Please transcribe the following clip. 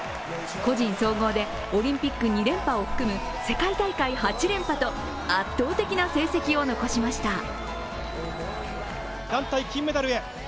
個人総合でオリンピック２連覇を含む世界大会８連覇と圧倒的な成績を残しました。